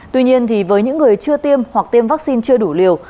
tuy nhiên với những người chưa tiêm hoặc tiêm vaccine chưa đủ liều